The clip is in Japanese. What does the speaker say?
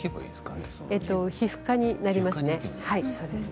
皮膚科になります。